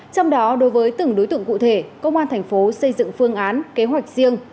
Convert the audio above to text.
trong đó đối với từng đối tượng cụ thể công an thành phố xây dựng phương án kế hoạch riêng